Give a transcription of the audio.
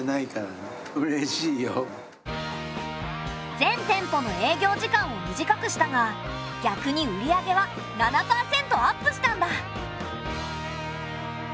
全店舗の営業時間を短くしたが逆に売り上げは７％アップしたんだ！